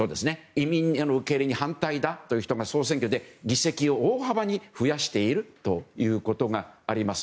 移民受け入れに反対だという人が総選挙で議席を大幅に増やしているということがあります。